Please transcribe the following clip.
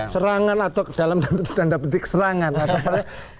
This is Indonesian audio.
serangan atau dalam tanda petik serangan itu mungkin menerima pak mahfud